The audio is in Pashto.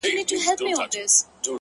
له هغه وخته مو خوښي ليدلې غم نه راځي!!